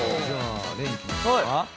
レンいきましょうか。